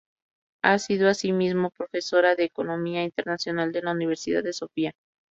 Ha sido, asimismo, profesora de Economía internacional en la Universidad de Sofía.